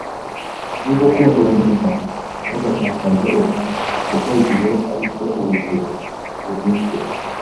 Niba ukunda ubuzima, ntugatakaze umwanya, kuko igihe aricyo ubuzima bugizwe.”